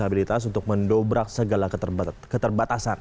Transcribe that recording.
dihabilitas untuk mendobrak segala keterbatasan